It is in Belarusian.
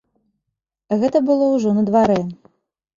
Гэта было ўжо на дварэ.